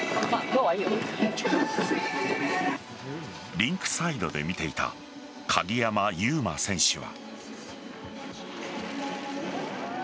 リンクサイトで見ていた鍵山優真選手は。